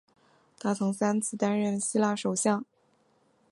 他曾三次担任希腊首相。